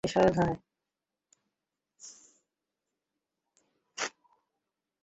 পাপের ঋণ শাস্তির দ্বারা শোধ হয় না সতীশ, কর্মের দ্বারাই শোধ হয়।